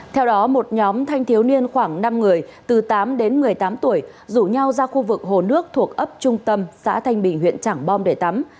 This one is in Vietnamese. theo đó một nhóm thanh thiếu niên khoảng năm người từ tám đến một mươi tám tuổi rủ nhau ra khu vực hồ nước thuộc ấp trung tâm xã thanh bình huyện trảng bom để tắm